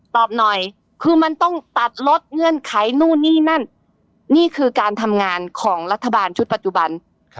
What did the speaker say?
ตอบหน่อยคือมันต้องตัดลดเงื่อนไขนู่นนี่นั่นนี่คือการทำงานของรัฐบาลชุดปัจจุบัน